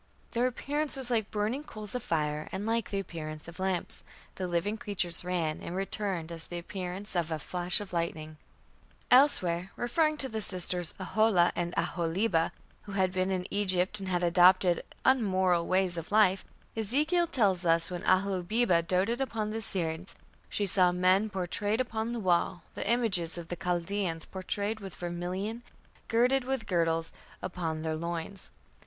Their appearance was like burning coals of fire and like the appearance of lamps.... The living creatures ran and returned as the appearance of a flash of lightning." Elsewhere, referring to the sisters, Aholah and Aholibah, who had been in Egypt and had adopted unmoral ways of life Ezekiel tells that when Aholibah "doted upon the Assyrians" she "saw men pourtrayed upon the wall, the images of the Chaldeans pourtrayed with vermilion, girded with girdles upon their loins".